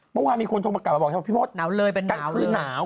เมื่อวานมีคนถูกมากลับมาบอกพี่พอสกลางคืนหนาว